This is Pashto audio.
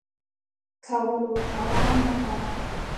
کولو توان نه لرم .